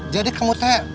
jadi kamu teh